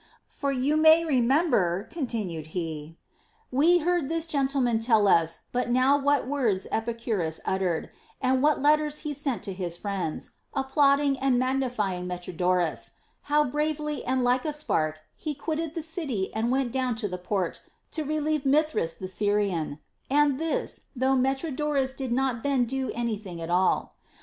For you may remember, continued he, we heard this gentleman tell us but now what words Epicurus uttered, and what letters he sent to his friends, applauding and magnifying Metro dorus, — how bravely and like a spark he quitted the city and went down to the port to relieve Mithrus the Svrian, — and this, though Metrodorus did not then do any thing at all.